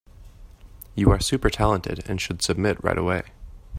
You are super talented and should submit right away.